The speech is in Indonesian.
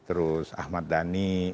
terus ahmad dhani